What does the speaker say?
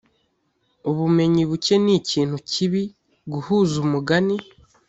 ubumenyi buke nikintu kibi guhuza umugani